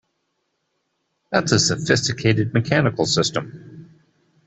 That's a sophisticated mechanical system!